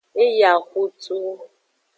E yi axutu.